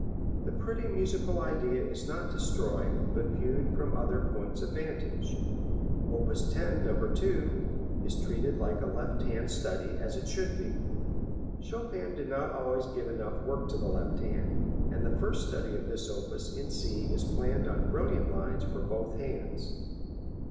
The pretty musical idea is not destroyed, but viewed from other points of vantage. Op. 10, No. 2, is treated like a left hand study, as it should be. Chopin did not always give enough work to the left hand, and the first study of this opus in C is planned on brilliant lines for both hands.